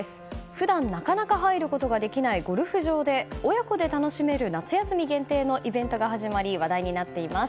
普段なかなか入ることができないゴルフ場で親子で楽しめる夏休み限定のイベントが始まり話題になっています。